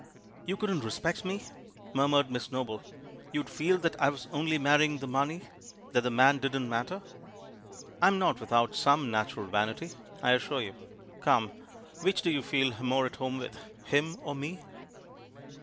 "You couldn't respect me?" murmured Miss Noble. "You'd feel that I was only marrying the money — that the man didn't matter?" "I am not without some natural vanity, I as sure you. Come, which do you feel more at home with, him or me?"